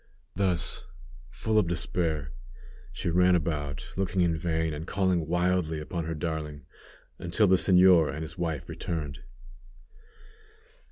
Thus, full of despair, she ran about, looking in vain, and calling wildly upon her darling, until the señor and his wife returned.